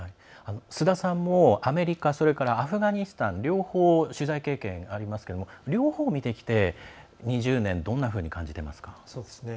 須田さんもアメリカ、アフガニスタン両方、取材経験、ありますけど両方を見てきて、２０年どんなふうに感じてますか？